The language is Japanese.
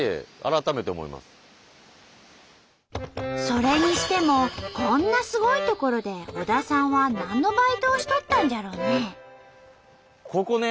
それにしてもこんなすごい所で小田さんは何のバイトをしとったんじゃろね？